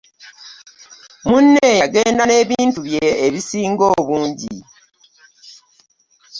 Munne yagenda n’ebintu bye ebisinga obungi.